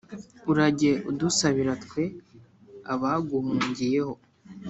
urajye udusabira twe abaguhungiyeho“.